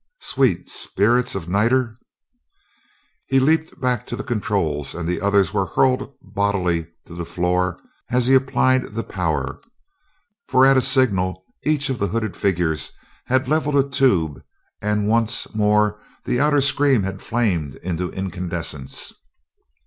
Sweet spirits of niter!" He leaped back to the controls and the others were hurled bodily to the floor as he applied the power for at a signal each of the hooded figures had leveled a tube and once more the outer screen had flamed into incandescence.